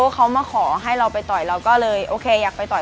เขามาขอให้เราไปต่อยเราก็เลยโอเคอยากไปต่อย